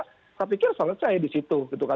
saya pikir selesai di situ gitu kan